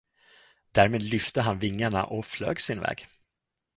Därmed lyfte han vingarna och flög sin väg.